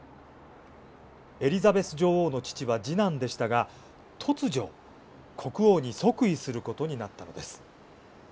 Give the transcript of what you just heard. エリザベス女王の父は次男でしたが突如、国王に即位することになったのです。